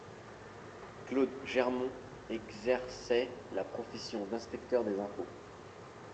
Claude Germon exerçait la profession d’inspecteur des impôts.